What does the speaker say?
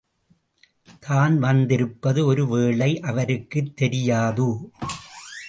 தான் வந்திருப்பது ஒரு வேளை அவருக்குத் தெரியாதோ?